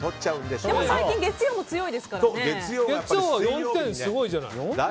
でも最近月曜も強いですからね。